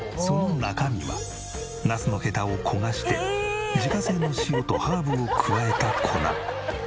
その中身はナスのヘタを焦がして自家製の塩とハーブを加えた粉。